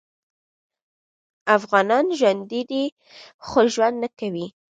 افغانان ژوندي دي خو ژوند نکوي